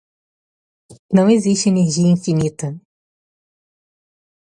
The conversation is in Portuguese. Não existe energia infinita.